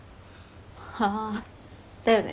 ああだよね。